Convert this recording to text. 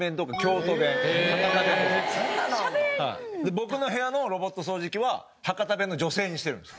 僕の部屋のロボット掃除機は博多弁の女性にしてるんです。